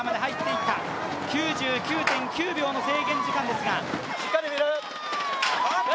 ９９．９秒の制限時間ですが。